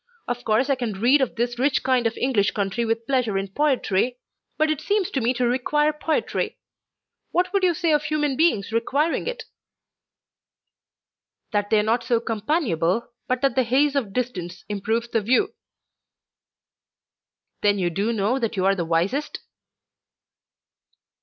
Of course I can read of this rich kind of English country with pleasure in poetry. But it seems to me to require poetry. What would you say of human beings requiring it?" "That they are not so companionable but that the haze of distance improves the view." "Then you do know that you are the wisest?"